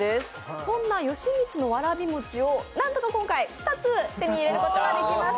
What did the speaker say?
そんな芳光のわらび餅をなんとか今回２つ手に入れることができました！